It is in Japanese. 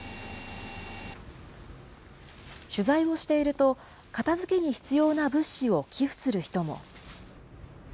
取材をしていると、片づけに必要な物資を寄付する人も。